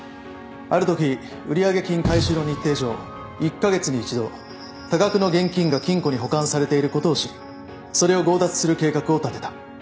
あるとき売上金回収の日程上１カ月に１度多額の現金が金庫に保管されていることを知りそれを強奪する計画を立てた。